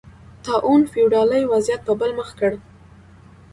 طاعون فیوډالي وضعیت په بل مخ کړ